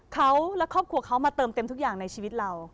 เขาและครอบครัวเขามาเติมเต็มทุกอย่างในชีวิตเรา